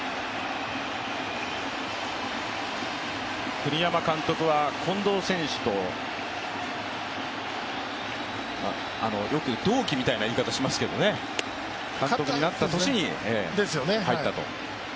栗山監督は近藤選手とよく同期みたいな言い方をしますけどね監督になった年に入ったと。